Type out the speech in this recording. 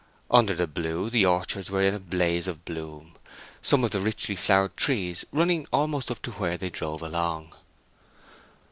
Under the blue the orchards were in a blaze of bloom, some of the richly flowered trees running almost up to where they drove along.